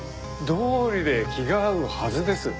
どうりで気が合うはずです。